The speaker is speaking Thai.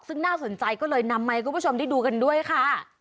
ซึ่งน่าสนใจก็เลยนำมาให้คุณผู้ชมได้ดูกันด้วยค่ะ